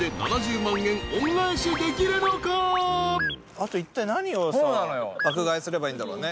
あといったい何をさ爆買いすればいいんだろうね。